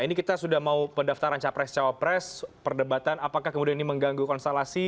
ini kita sudah mau pendaftaran capres cawapres perdebatan apakah kemudian ini mengganggu konstelasi